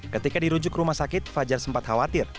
ketika dirujuk ke rumah sakit fajar sempat khawatir